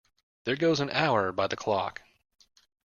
There goes an hour by the clock!